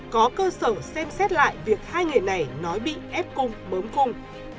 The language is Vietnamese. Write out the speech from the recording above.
có cơ sở xem xét lại việc hai người này nói bị ép cung bớm cung